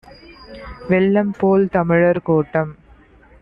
வெள்ளம்போல் தமிழர் கூட்டம்